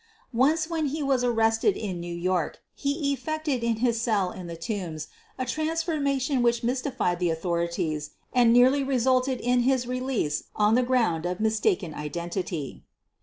Once when he was arrested in New York he ef 216 SOPHIE LYONS fected in his cell in the Tombs a transformation which mystified the authorities and nearly resulted in his release on the ground of mistaken identity.